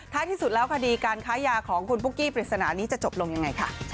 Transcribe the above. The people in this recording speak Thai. ที่สุดแล้วคดีการค้ายาของคุณปุ๊กกี้ปริศนานี้จะจบลงยังไงค่ะ